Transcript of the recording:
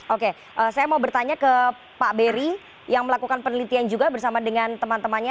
oke saya mau bertanya ke pak beri yang melakukan penelitian juga bersama dengan teman temannya